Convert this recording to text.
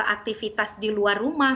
aktivitas di luar rumah